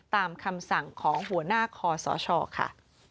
ตามคำสั่งของหัวหน้าคอสชค่ะ